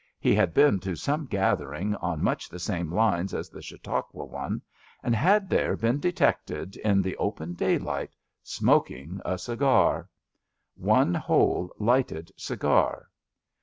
He had been to some gathering on much the same lines as the Chautauqua one, and had there been detected, in the open daylight, smoking a cigar. One whole lighted cigar.